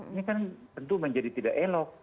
ini kan tentu menjadi tidak elok dalam kehidupan kita